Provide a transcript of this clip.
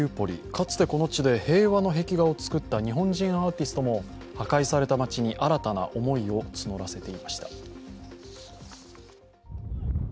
かつてこの地で平和の壁画を作った日本人アーティストも破壊された街に新たな思いを募らせていました。